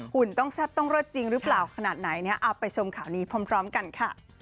ุ่นต้องแซ่บต้องเลิศจริงหรือเปล่าขนาดไหนเนี่ยเอาไปชมข่าวนี้พร้อมกันค่ะ